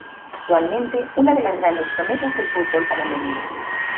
Actualmente una de las grandes promesas del fútbol Panameño.